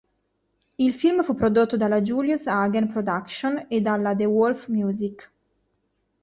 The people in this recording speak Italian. Il film fu prodotto dalla Julius Hagen Productions e dalla De Wolfe Music.